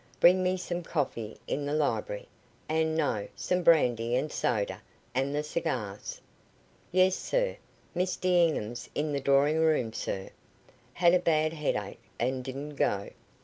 "Bring me some coffee in the library, and no, some brandy and soda and the cigars." "Yes, sir. Miss D'Enghien's in the drawing room, sir. Had a bad headache, and didn't go."